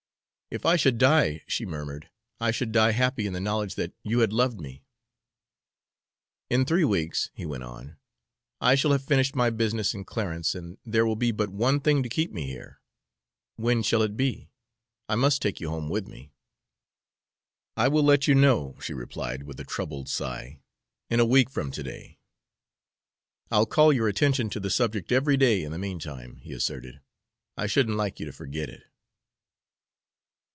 "If I should die," she murmured, "I should die happy in the knowledge that you had loved me." "In three weeks," he went on, "I shall have finished my business in Clarence, and there will be but one thing to keep me here. When shall it be? I must take you home with me." "I will let you know," she replied, with a troubled sigh, "in a week from to day." "I'll call your attention to the subject every day in the mean time," he asserted. "I shouldn't like you to forget it."